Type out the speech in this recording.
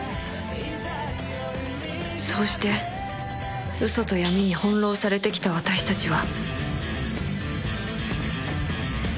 そうして嘘と闇に翻弄されてきた私たちは